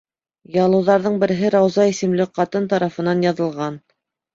Ялыуҙарҙың береһе Рауза исемле ҡатын тарафынан яҙылған.